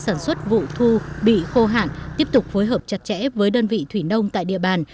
sản xuất vụ thu bị khô hạn tiếp tục phối hợp chặt chẽ với đơn vị thủy nông tại địa bàn